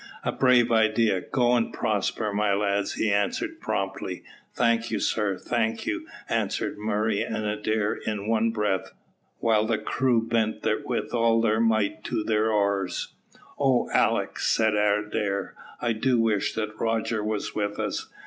"A brave idea; go and prosper, my lads," he answered promptly. "Thank you, sir, thank you," answered Murray and Adair in one breath, while their crew bent with all their might to their oars. "Oh, Alick," said Adair, "I do so wish that Rogers was with us.